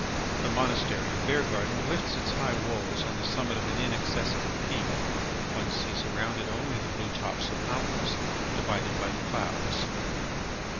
The monastery of Beargarden lifts its high walls on the summit of an inaccessible peak. One sees around it only the blue tops of mountains, divided by the clouds.